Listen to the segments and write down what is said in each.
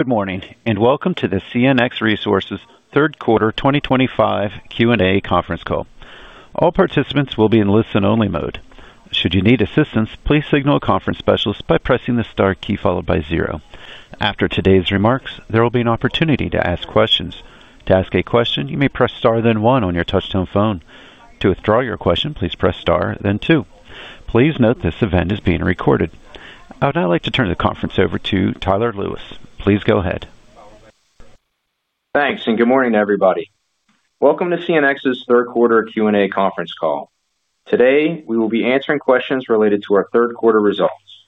Good morning and welcome to the CNX Resources third-quarter 2025 Q&A conference call. All participants will be in listen-only mode. Should you need assistance, please signal a conference specialist by pressing the star key followed by zero. After today's remarks, there will be an opportunity to ask questions. To ask a question, you may press star then one on your touchtone phone. To withdraw your question, please press star then two. Please note this event is being recorded. I would now like to turn the conference over to Tyler Lewis. Please go ahead. Thanks, and good morning, everybody. Welcome to CNX's third-quarter Q&A conference call. Today, we will be answering questions related to our third-quarter results.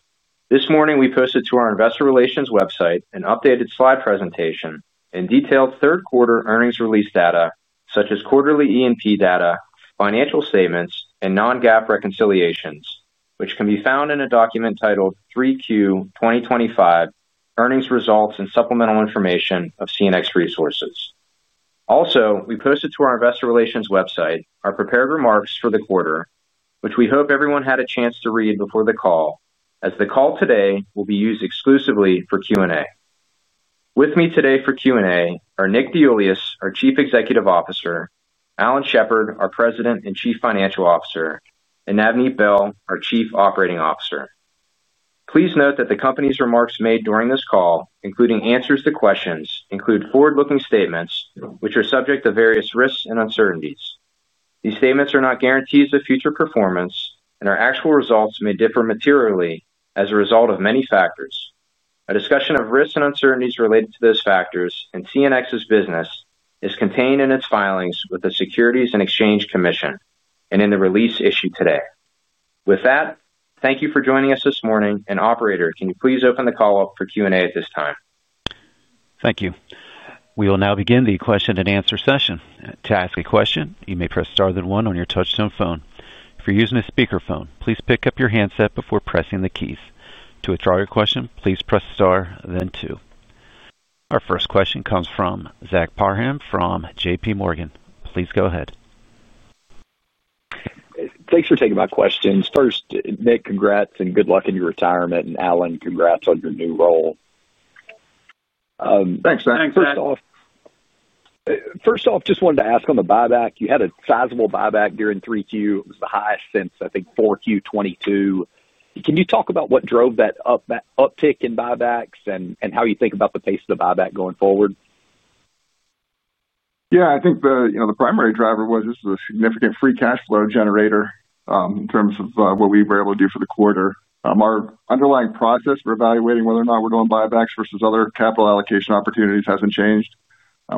This morning, we posted to our investor relations website an updated slide presentation and detailed third-quarter earnings release data, such as quarterly E&P data, financial statements, and non-GAAP reconciliations, which can be found in a document titled 3Q 2025 Earnings Results and Supplemental Information of CNX Resources. Also, we posted to our investor relations website our prepared remarks for the quarter, which we hope everyone had a chance to read before the call, as the call today will be used exclusively for Q&A. With me today for Q&A are Nick DeIuliis, our Chief Executive Officer, Alan Shepard, our President and Chief Financial Officer, and Navneet Behl, our Chief Operating Officer. Please note that the company's remarks made during this call, including answers to questions, include forward-looking statements which are subject to various risks and uncertainties. These statements are not guarantees of future performance, and our actual results may differ materially as a result of many factors. A discussion of risks and uncertainties related to those factors in CNX's business is contained in its filings with the Securities and Exchange Commission and in the release issued today. With that, thank you for joining us this morning, and operator, can you please open the call up for Q&A at this time? Thank you. We will now begin the question and answer session. To ask a question, you may press star then one on your touch-tone phone. If you're using a speakerphone, please pick up your handset before pressing the keys. To withdraw your question, please press star then two. Our first question comes from Zach Parham from JPMorgan. Please go ahead. Thanks for taking my questions. First, Nick, congrats and good luck in your retirement. Alan, congrats on your new role. Thanks, Zack. First off, just wanted to ask on the buyback. You had a sizable buyback during 3Q. It was the highest since, I think, 4Q 2022. Can you talk about what drove that uptick in buybacks and how you think about the pace of the buyback going forward? Yeah, I think the primary driver was this is a significant free cash flow generator in terms of what we were able to do for the quarter. Our underlying process for evaluating whether or not we're doing buybacks versus other capital allocation opportunities hasn't changed.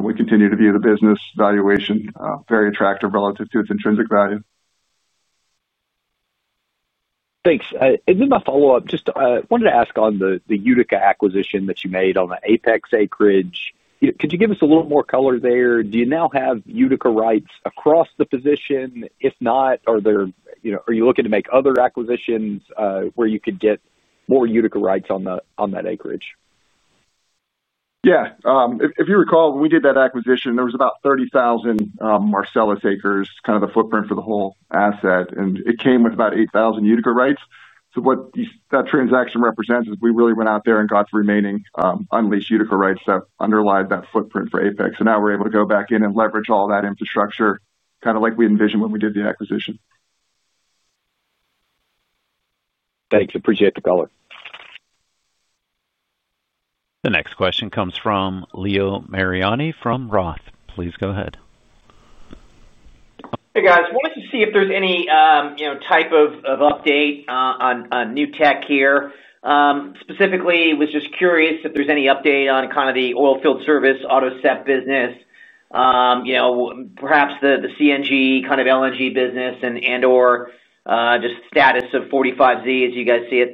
We continue to view the business valuation very attractive relative to its intrinsic value. Thanks. My follow up, just wanted to ask, on the Utica acquisition that you made on the Apex acreage, could you give us a little more color there? Do you now have Utica rights across the position? If not, are you looking to make other acquisitions where you could get more Utica rights on that acreage? If you recall, when we did that acquisition, there was about 30,000 Marcellus acres, kind of the footprint for the whole asset, and it came with about 8,000 Utica rights. What that transaction represents is we really went out there and got the remaining unleased Utica rights that underlie that footprint for Apex, and now we're able to go in and leverage all that infrastructure, kind of like we envisioned when we did the acquisition. Thanks. Appreciate the color. The next question comes from Leo Mariani from ROTH. Please go ahead. Hey guys, wanted to see if there's any type of update on new tech here specifically. Was just curious if there's any update on the oil field service, AutoSep Business, perhaps the CNG, kind of LNG Business, and just status of 45Z as you guys see it.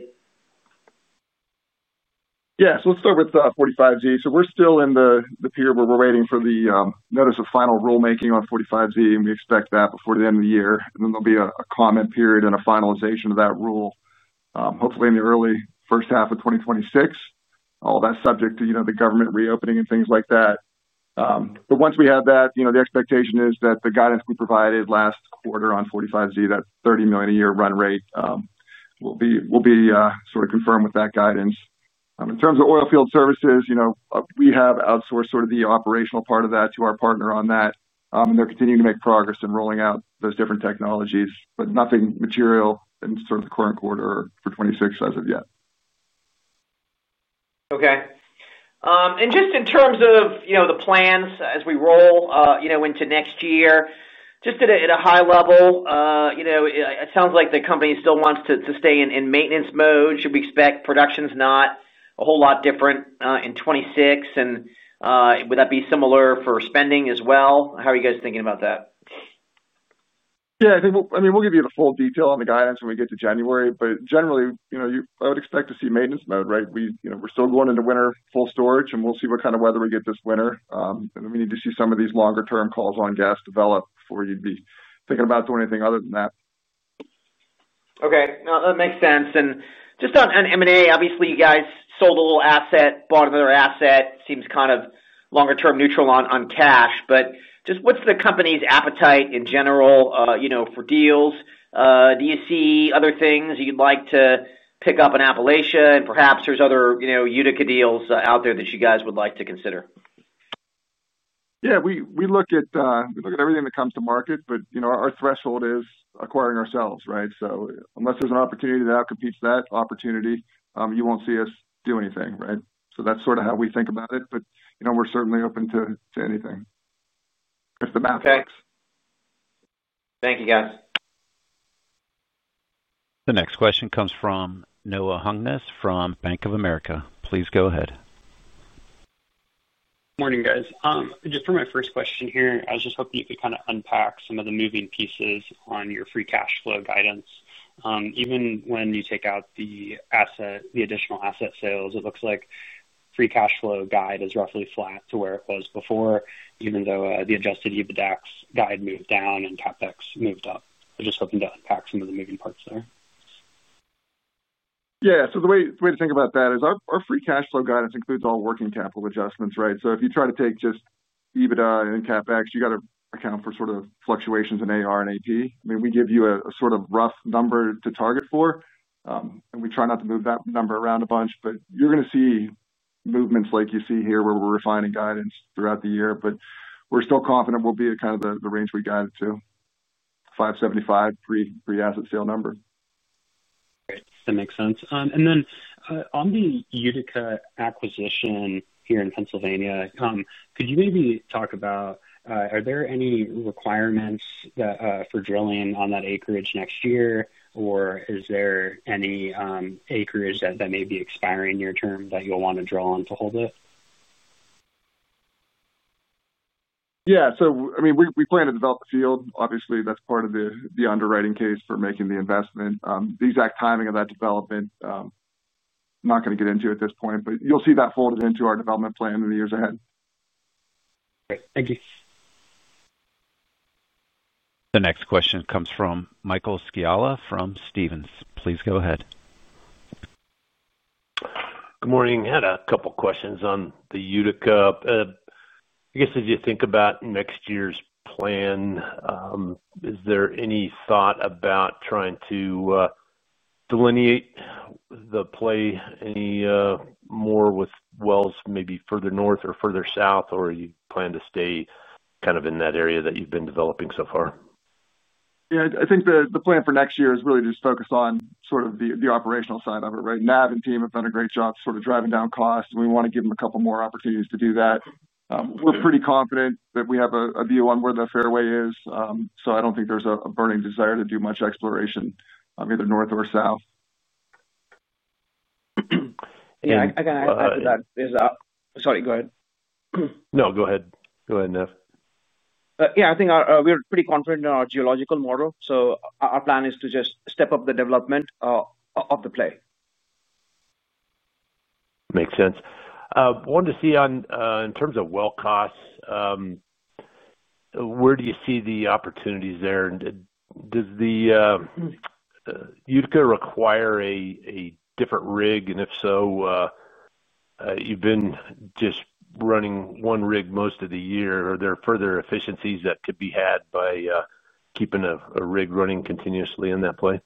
Yes, let's start with 45Z. We're still in the period where we're waiting for the notice of final rulemaking on 45Z. We expect that before the end of the year. There'll be a comment period and a finalization of that rule, hopefully in the early first half of 2026. All that's subject to, you know, the government reopening and things like that. Once we have that, the expectation is that the guidance we provided last quarter on 45Z, that $30 million a year run rate, will be sort of confirmed with that guidance. In terms of oil field services, we have outsourced sort of the operational part of that to our partner on that, and they're continuing to make progress in rolling out those different technologies, but nothing material in sort of the current quarter for 2026 as of yet. Okay. In terms of the plans as we roll into next year, just at a high level, it sounds like the company still wants to stay in maintenance mode. Should we expect production's not a whole lot different in 2026, and would that be similar for spending as well? How are you guys thinking about that? Yeah, I mean, we'll give you the full detail on the guidance when we get to January, but generally, I would expect to see maintenance mode. Right. We're going into winter, full storage, and we'll see what kind of weather we get this winter. We need to see some of these longer-term calls on gas develop before you'd be thinking about doing anything other than that. Okay, that makes sense. Just on M&A, obviously, you guys sold a little asset, bought another asset, seems kind of longer term, neutral on cash. What's the company's appetite in general for deals? Do you see other things you'd like to pick up in Appalachia, and perhaps there's other, you know, Utica deals out there that you guys would like to consider? We look at everything that comes to market. Our threshold is acquiring ourselves. Unless there's an opportunity that out competes that opportunity, you won't see us do anything. That's sort of how we think about it. We're certainly open to anything. Thank you, guys. The next question comes from Noah Hungness from Bank of America. Please go ahead. Morning guys. For my first question here, I was just hoping you could kind of unpack some of the moving pieces on your free cash flow guidance. Even when you take out the additional asset sales, it looks like free cash flow guide is roughly flat to where it was before, even though the adjusted EBITDAX guide moved down and CapEx moved up. I'm just hoping to unpack some of the moving parts there. The way to think about that is our free cash flow guidance includes all working capital adjustments. Right? If you try to take just EBITDA and CapEx, you got to account for sort of fluctuations in AR and AP. I mean, we give you a sort of rough number to target for, and we try not to move that number around a bunch. You're going to see movements like you see here, where we're refining guidance throughout the year. We're still confident we'll be at kind of the range we got to, $575 million free asset sale number. That makes sense. On the Utica acquisition here in Pennsylvania, could you maybe talk about there are any requirements for drilling on that acreage next year or is there any acreage that may be expiring your term that you'll want to drill on to hold? We plan to develop the field. Obviously that's part of the underwriting case for making the investment. The exact timing of that development not going to get into at this point, but you'll see that folded into our development plan in the years ahead. Great, thank you. The next question comes from Michael Scialla from Stephens. Please, go ahead. Good morning. Had a couple questions on the Utica. I guess, as you think about next year's plan, is there any thought about trying to delineate the play any more with wells maybe further north or further south, or you plan to stay kind of in that area that you've been developing so far? I think the plan for next year is really just focus on sort of the operational side of it. Nav and team have done a great job sort of driving down costs, and we want to give them a couple more opportunities to do that. We're pretty confident that we have a view on where the fairway is. I don't think there's a burning desire to do much exploration, either north or south. Yeah, I can add to that. Sorry, go ahead. No, go ahead. Go ahead, Nav. Yeah. I think we're pretty confident in our geological model. Our plan is to just step up the development of the play. Makes sense. I wanted to see, in terms of well costs, where do you see the opportunities there? Does the Utica require a different rig? If so, you've been just running one rig most of the year. Are there further efficiencies that could be had by keeping a rig running continuously in that play?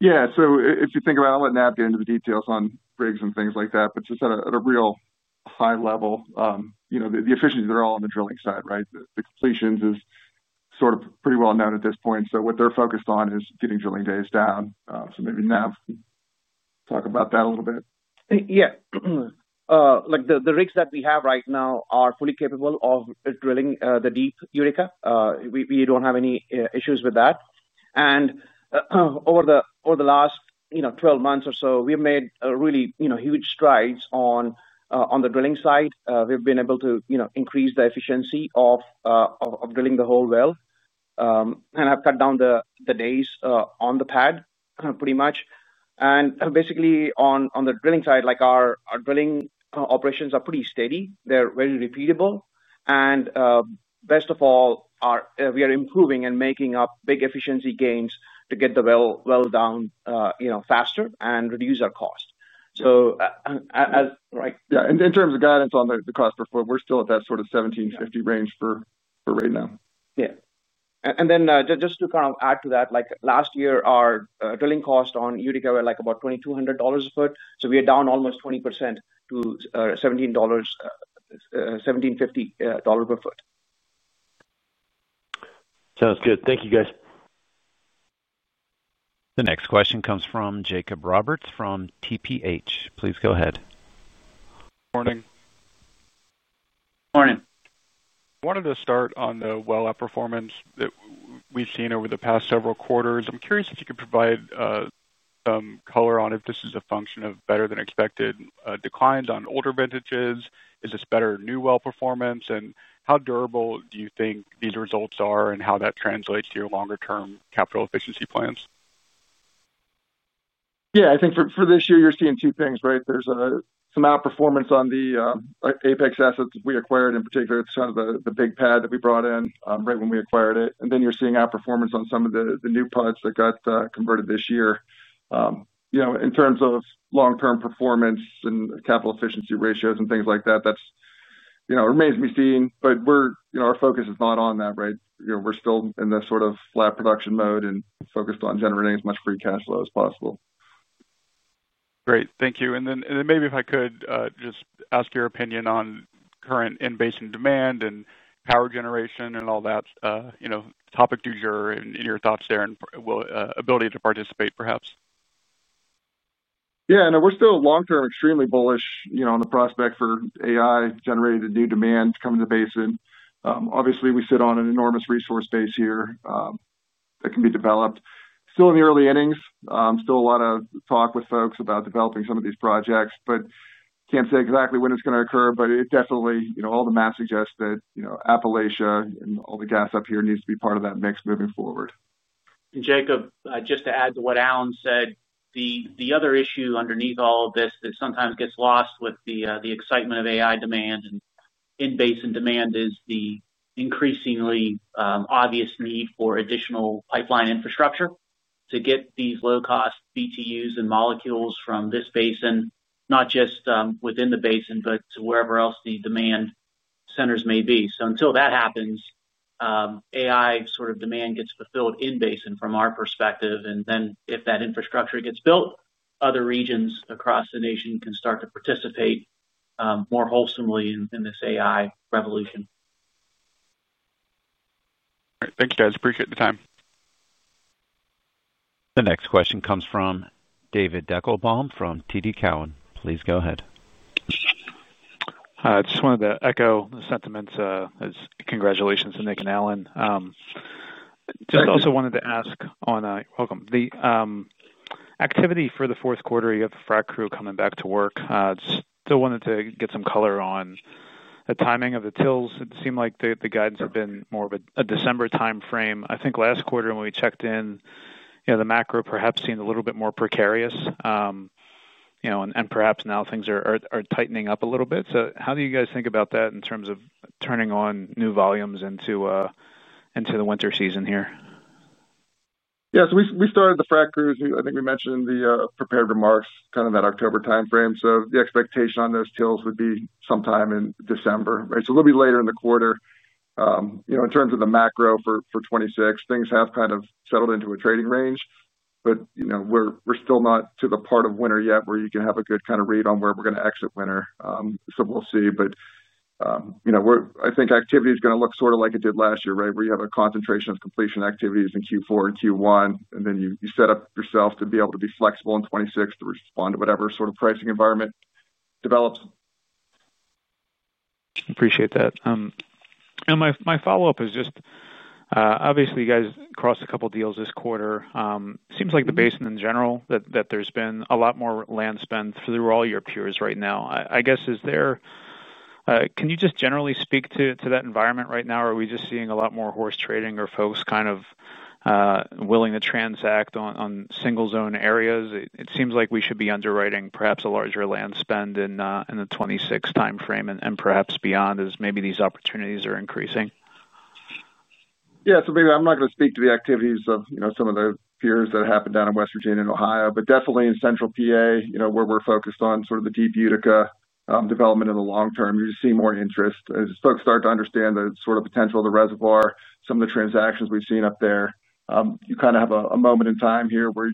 Yeah. If you think about it, I'll let Nav get into the details on rigs and things like that, but just at a real high level, the efficiencies are all on the drilling side. The completions is sort of pretty well known at this point. What they're focused on is getting drilling days down. Maybe Nav can talk about that a little bit. Yeah. The rigs that we have right now are fully capable of drilling the deep Eureka. We don't have any issues with that. Over the last 12 months or so, we've made really huge strides on the drilling side. We've been able to increase the efficiency of drilling the whole well. I've cut down the days on the pad pretty much. Basically, on the drilling side, our drilling operations are pretty steady. They're very repeatable, and best of all, we are improving and making up big efficiency gains to get the well down faster and reduce our cost. In terms of guidance on the cost per foot, we're still at that sort of $1,750 range for right now. Yeah. Just to kind of add to that, like last year our drilling cost on Utica were like about $2,200 a foot. We are down almost 20% to $1,750 per foot. Sounds good. Thank you, guys. The next question comes from Jacob Roberts from TPH. Securities. Please go ahead. Morning. Wanted to start on the well outperformance that we've seen over the past several quarters. I'm curious if you could provide some color on if this is a function of better-than-expected well declines on older vintages. Is this better new well performance? How durable do you think these results are, and how that translates to your longer-term capital efficiency plans? Yeah, I think for this year you're seeing two things, right? There's some outperformance on the Apex acreage we acquired. In particular, it's kind of the big pad that we brought in right when we acquired it. Then you're seeing outperformance on some of the new pods that got converted this year, you know, in terms of long-term performance and capital efficiency ratios and things like that. That, you know, remains to be seen. We're, you know, our focus is not on that, right? You know, we're still in the sort of flat production mode and focused on generating as much free cash flow as possible. Great, thank you. Maybe if I could just ask your opinion on current in-basin demand and power generation and all that, you know, topic du jour and your thoughts there and ability to participate, perhaps? Yeah, we're still long-term extremely bullish on the prospect for AI-generated new demand coming to the basin. Obviously, we sit on an enormous resource base here that can be developed. Still in the early innings. Still a lot of talk with folks about developing some of these projects, but can't say exactly when it's going to occur. It definitely, all the math suggests that Appalachia and all the gas up here needs to be part of that mix moving forward. Jacob, just to add to what Alan said, the other issue underneath all of this that sometimes gets lost with the excitement of AI demand and in-basin demand is the increasingly obvious need for additional pipeline infrastructure to get these low-cost BTUs and molecules from this basin, not just within the basin, but to wherever else the demand centers may be. Until that happens, AI sort of demand gets fulfilled in-basin from our perspective. If that infrastructure gets built, other regions across the nation can start to participate more wholesomely in this AI revolution. Thank you, guys. Appreciate the time. The next question comes from David Deckelbaum from TD Cowen. Please go ahead. I just wanted to echo the sentiments. Congratulations to Nick and Alan. I just also wanted to ask on the activity for the fourth quarter. You have a frac crew coming back to work. Still wanted to get some color on the timing of the tills. It seemed like the guidance had been more of a December timeframe. I think last quarter, when we checked in the macro, perhaps seemed a little bit more precarious, and perhaps now things are tightening up a little bit. How do you guys think about that in terms of turning on new volumes into the winter season here? Yes, we started the frac crews. I think we mentioned in the prepared remarks kind of that October timeframe. The expectation on those tills would be sometime in December, a little bit later in the quarter. In terms of the macro for 2026, things have kind of settled into a trading range. We're still not to the part of winter yet where you can have a good read on where we're going to exit winter. We'll see. I think activity is going to look sort of like it did last year, where you have a concentration of completion activities in Q4 and Q1, and then you set up yourself to be able to be flexible in 2026 to respond to whatever sort of pricing environment develops. Appreciate that, my follow-up is just obviously you guys crossed a couple deals this quarter. Seems like the basin in general that there's been a lot more land spend through all your peers right now, I guess. Is there. Can you just generally speak to that environment right now? Are we just seeing a lot more horse trading or folks kind of willing to transact on single-zone areas? It seems like we should be underwriting perhaps a larger land spend in the 2026 time frame and perhaps beyond, as maybe these opportunities are increasing. Yeah. Maybe I'm not going to speak to the activities of, you know, some of the peers that happened down in West Virginia and Ohio, but definitely in Central PA, where we're focused on sort of the deep Utica development. In the long term, you see more interest as folks start to understand the sort of potential of the reservoir. Some of the transactions we've seen up there, you kind of have a moment in time here where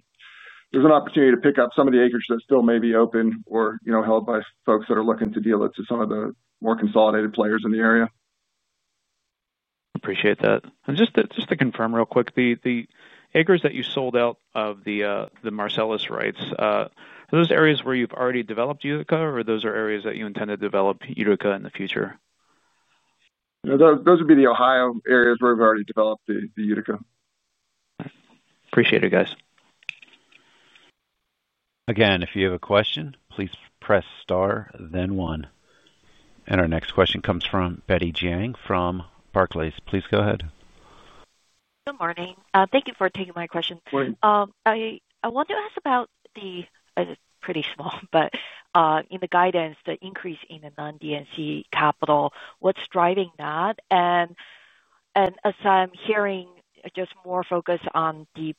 there's an opportunity to pick up some of the acreage that still may be open or, you know, held by folks that are looking to deal it to some of the more consolidated players in the area. Appreciate that. Just to confirm real quick, the acres that you sold out of the Marcellus rights, are those areas where you've already developed Utica, or are those areas that you intend to develop Utica in the future? Those would be the Ohio areas where we've already developed the Utica. Appreciate it, guys. Again, if you have a question, please press star then one. Our next question comes from Betty Jiang from Barclays. Please go ahead. Good morning. Thank you for taking my question. I want to ask about the pretty small, but in the guidance, the increase in the non-DNC capital, what's driving that? As I'm hearing just more focus on the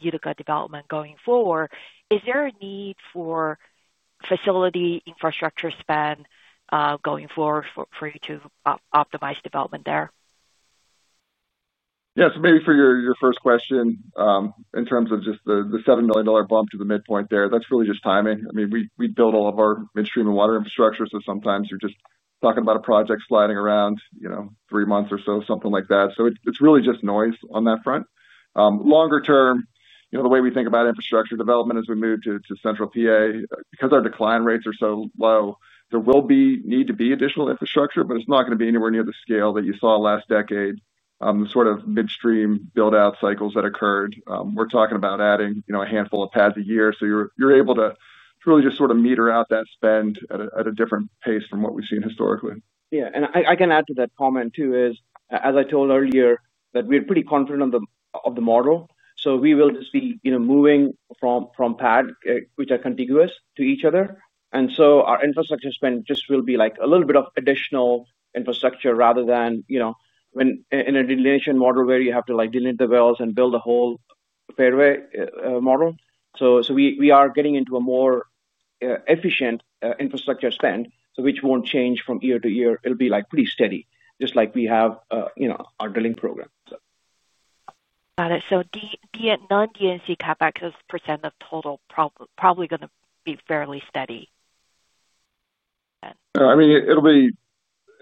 Utica development going forward, is there a need for facility infrastructure spend going forward for you to optimize development there? Yes, maybe. For your first question, in terms of just the $7 million bump to the midpoint there, that's really just timing. I mean, we build all of our midstream and water infrastructure, so sometimes you're just talking about a project sliding around three months or so, something like that. It's really just noise on that front. Longer term, the way we think about infrastructure development as we move to Central PA, because our decline rates are so low, there will need to be additional infrastructure, but it's not going to be anywhere near the scale that you saw last decade. The sort of midstream build-out cycles that occurred. We're talking about adding a handful of pads a year, so you're able to really just sort of meter out that spend at a different pace from what we've seen historically. Yeah, I can add to that comment too. As I told earlier, we're pretty confident of the model. We will just be moving from pad which are contiguous to each other, and our infrastructure spend will just be a little bit of additional infrastructure rather than in a delineation model where you have to delete the wells and build a whole fairway model. We are getting into a more efficient infrastructure spend, which won't change from year to year. It'll be pretty steady, just like we have our drilling program. Got it. So non-D&C CapEx as percentage of total probably going to be fairly steady. I mean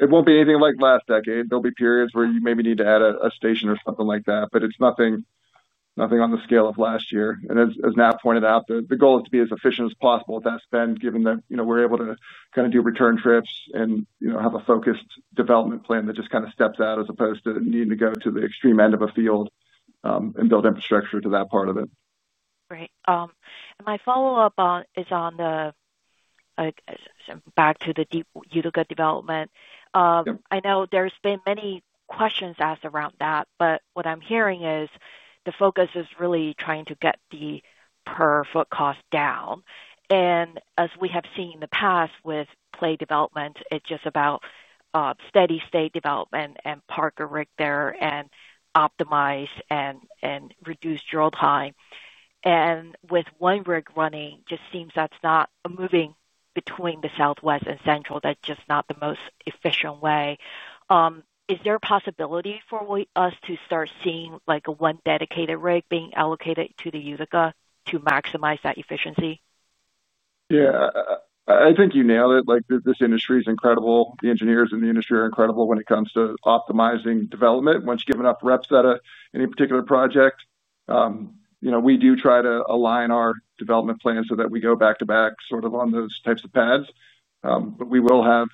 it won't be anything like last decade. There'll be periods where you maybe need to add a station or something like that, but it's nothing on the scale of last year. As Nick pointed out, the goal is to be as efficient as possible at that spend, given that we're able to kind of do return trips and have a focused development plan that just kind of steps out as opposed to needing to go to the extreme end of a field and build infrastructure to that part of it. Great. My follow-up is on the back to the deep Utica development. I know there's been many questions asked around that, but what I'm hearing is the focus is really trying to get the per-foot cost down. As we have seen in the past with play development, it's just about steady state development and park a rig there and optimize and reduce drill time. With one rig running, it just seems that's not moving between the Southwest and Central. That's just not the most efficient way. Is there a possibility for us to start seeing one dedicated rig being allocated to the Utica to maximize that efficiency? Yeah, I think you nailed it. This industry is incredible. The engineers in the industry are incredible when it comes to optimizing development. Once you give enough reps at any particular project, we do try to align our development plan so that we go back to back on those types of pads. We will have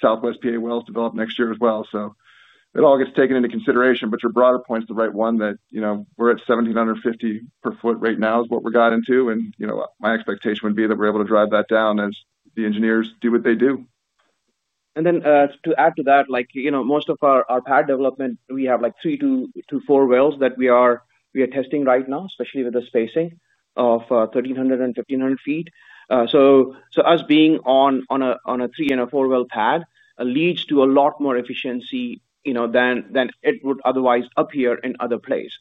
Southwest PA wells develop next year as well. It all gets taken into consideration. Your broader point is the right one that we're at $1,750 per foot right now is what we've got into. My expectation would be that we're able to drive that down as the engineers do what they do. To add to that, most of our pad development, we have three to four wells that we are testing right now, especially with the spacing of 1,300 and 1,500 ft. Us being on a three and a four-well pad leads to a lot more efficiency than it would otherwise appear in other places.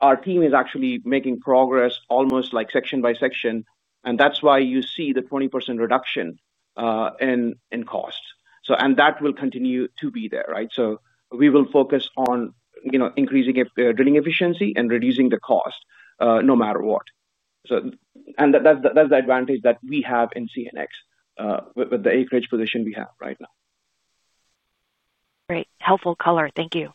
Our team is actually making progress almost section by section, and that's why you see the 20% reduction in costs. That will continue to be there. We will focus on increasing drilling efficiency and reducing the cost, no matter what. That's the advantage that we have in CNX with the acreage position we have right now. Great. Helpful color. Thank you.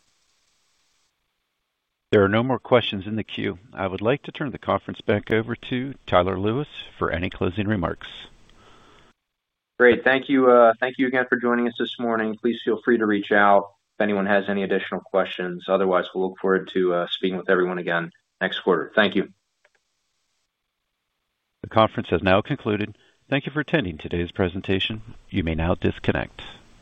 There are no more questions in the queue. I would like to turn the conference back over to Tyler Lewis for any closing remarks. Great, thank you. Thank you again for joining us this morning. Please feel free to reach out if anyone has any additional questions. Otherwise, we'll look forward to speaking with everyone again next quarter. Thank you. The conference has now concluded. Thank you for attending today's presentation. You may now disconnect.